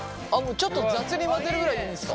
ちょっと雑に混ぜるぐらいでいいんですか？